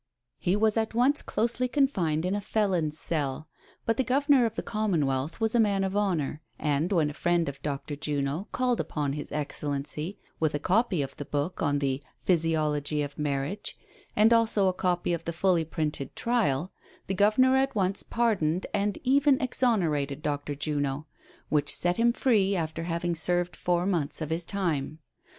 He was at once closely confined in a felon's cell, but the Governor of the Commonwealth was a man of honor, and when a friend of Dr. Juno called upon his excellency with a copy of the book on the "Physiology of Marriage," and also a copy of the fully printed trial, the Governor at once pardoned and even exonerated Dr. Juno, which set him free after having served four months of his time.